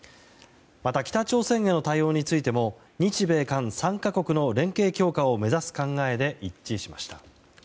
また、北朝鮮への対応についても日米韓３か国の連携強化を目指す考えで一致しました。